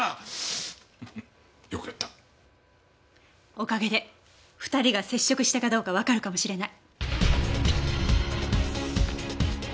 おかげで２人が接触したかどうかわかるかもしれない。